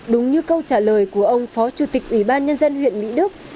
đúng như câu trả lời của ông phó chủ tịch ủy ban nhân dân huyện mỹ đức